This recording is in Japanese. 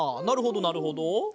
なるほどなるほど。